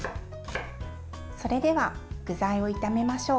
それでは具材を炒めましょう。